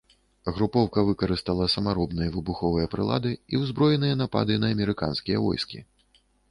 Групоўка выкарыстала самаробныя выбуховыя прылады і ўзброеныя напады на амерыканскія войскі.